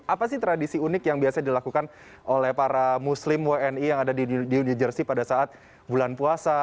apa sih tradisi unik yang biasa dilakukan oleh para muslim wni yang ada di new jersey pada saat bulan puasa